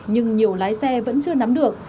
nhưng nhiều lái xe vẫn chưa nắm được